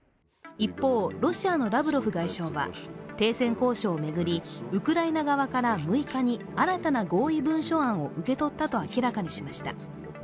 一方、ロシアのラブロフ外相は停戦交渉を巡りウクライナ側から６日に新たな合意文書案を受け取ったと明らかにしました。